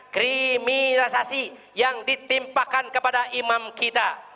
kriminalisasi yang ditimpakan kepada imam kita